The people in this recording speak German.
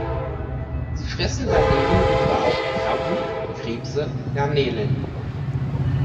Sie fressen daneben aber auch Krabben, Krebse, Garnelen.